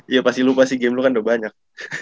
iya pasti lu lupa sih game lu kan udah banyak